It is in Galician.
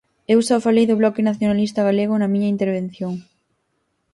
Eu só falei do Bloque Nacionalista Galego na miña intervención.